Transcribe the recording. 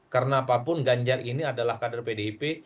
karena apapun ganjar ini adalah kader pdip